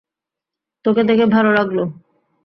তোকে দেখে ভালো লাগলো।